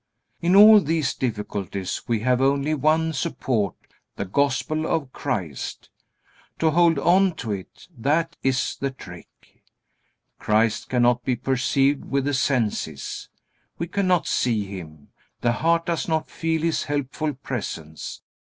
In all these difficulties we have only one support, the Gospel of Christ. To hold on to it, that is the trick. Christ cannot be perceived with the senses. We cannot see Him. The heart does not feel His helpful presence.